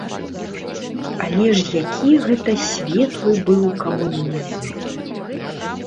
Але які ж гэта светлы быў камунізм!